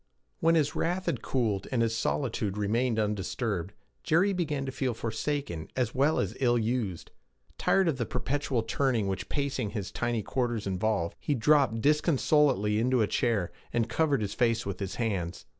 When his wrath had cooled and his solitude remained undisturbed, Jerry began to feel forsaken as well as ill used. Tired of the perpetual turning which pacing his tiny quarters involved, he dropped disconsolately into a chair, and covered his face with his hands.